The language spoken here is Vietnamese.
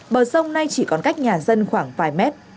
bờ sông này chỉ còn cách nhà dân khoảng vài mét